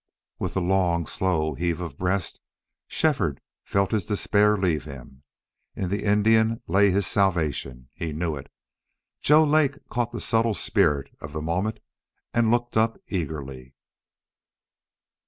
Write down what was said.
With a long, slow heave of breast Shefford felt his despair leave him. In the Indian lay his salvation. He knew it. Joe Lake caught the subtle spirit of the moment and looked up eagerly.